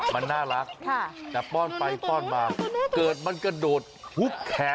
มันน่ารักแต่ป้อนไปป้อนมาเกิดมันกระโดดแขนเข้าไปแล้ว